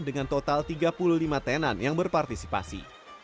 dengan total tiga puluh lima tenan yang berpartisipasi